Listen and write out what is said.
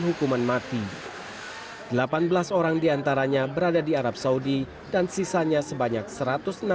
hukuman mati delapan belas orang diantaranya berada di arab saudi dan sisanya sebanyak satu ratus enam puluh orang tersebar di